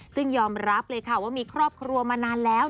ซึ่งยอมรับเลยค่ะว่ามีครอบครัวมานานแล้ว